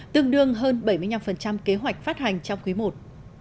tương đương hơn bảy mươi năm kế hoạch phát hành trong quý i